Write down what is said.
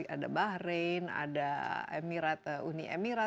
ada bahrain ada uni emirat